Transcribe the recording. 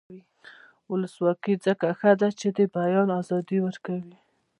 ولسواکي ځکه ښه ده چې د بیان ازادي ورکوي.